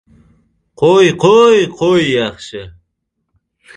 — Qo‘y, qo‘-o‘-o‘y! Qo‘y yaxshi!